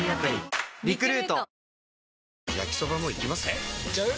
えいっちゃう？